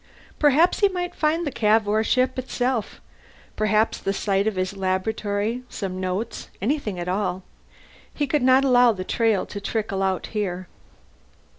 Perhaps he might find the Cavour ship itself; perhaps, the site of his laboratory, some notes, anything at all. He could not allow the trail to trickle out here.